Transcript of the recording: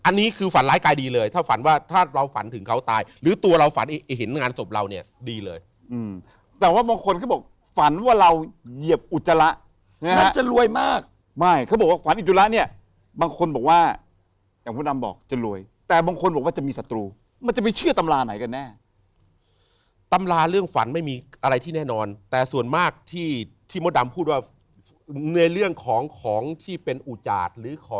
ดูฝันร้ายกายดีเลยถ้าฝันว่าถ้าเราฝันถึงเขาตายหรือตัวเราฝันไอ้หินงานศพเราเนี่ยดีเลยแต่ว่าบางคนเขาบอกฝันว่าเราเหยียบอุจจาระมันจะรวยมากไม่เขาบอกว่าฝันอุจจาระเนี่ยบางคนบอกว่าอย่างพ่อดำบอกจะรวยแต่บางคนบอกว่าจะมีศัตรูมันจะไม่เชื่อตำราไหนกันแน่ตำราเรื่องฝันไม่มีอะไรที่แน่นอนแต่ส่